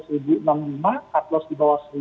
card loss di bawah seribu